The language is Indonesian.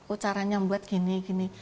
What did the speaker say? oh caranya membuat gini gini